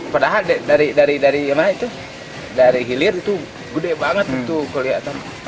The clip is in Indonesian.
padahal dari hilir itu gede banget